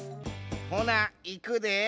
ほないくで。